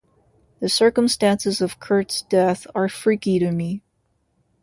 The circumstances of Kurt's death are freaky to me.